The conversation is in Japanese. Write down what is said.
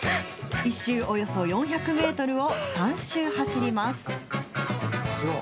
１周およそ４００メートルを３周走ります。